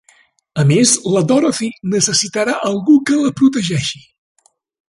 A més, la Dorothy necessitarà algú que la protegeixi.